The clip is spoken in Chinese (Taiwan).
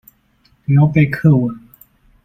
不要背課文了